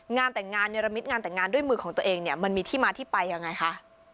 งานแต่งงานในระมิตงานแต่งงานด้วยมือของตัวเองเนี่ยมันมีที่มาที่ไปยังไงคะ